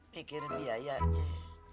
pikirin biaya aja